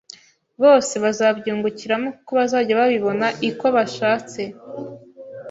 bose bazabyungukiramo kuko bazajya babibona iko bashatse